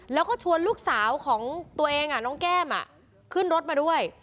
แล้วก็ชวนลูกสาวของตัวเองน้องแก้มขึ้นรถมาด้วย